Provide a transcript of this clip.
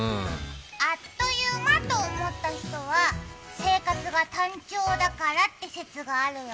あっという間と思った人は生活が単調だからっていう説があるよ。